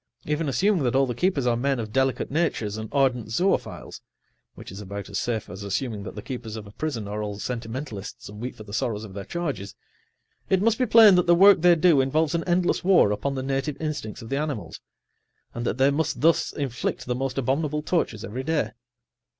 Even assuming that all the keepers are men of delicate natures and ardent zoophiles (which is about as safe as assuming that the keepers of a prison are all sentimentalists, and weep for the sorrows of their charges), it must be plain that the work they do involves an endless war upon the native[Pg 85] instincts of the animals, and that they must thus inflict the most abominable tortures every day.